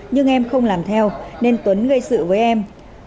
nhưng em không làm theo nên tuấn gây sự với em